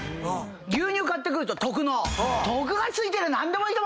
牛乳買ってくると特濃。